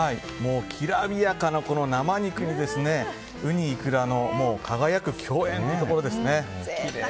きらびやかな生肉にウニ、イクラの輝く共演というところですね。